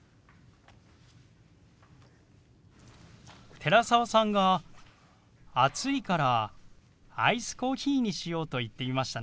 寺澤さんが暑いからアイスコーヒーにしようと言っていましたね。